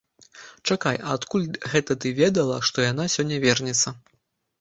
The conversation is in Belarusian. Чакай, а адкуль гэта ты ведала, што яна сёння вернецца?